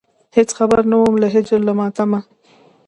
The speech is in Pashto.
هېڅ خبر نه وم د هجر له ماتمه.